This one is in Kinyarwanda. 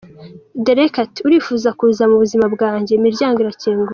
Derek ati ”Urifuza kuza mu buzima bwanjye, imiryango irakinguye.